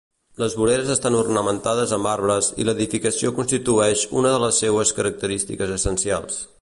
Les voreres estan ornamentades amb arbres i l'edificació constitueix una de les seues característiques essencials.